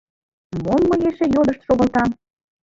Мом мый эше йодышт шогылтам!